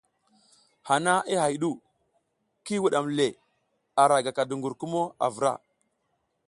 Hana i hay ɗu, ki wuɗam le, ara gaka duƞgur kumo a vra.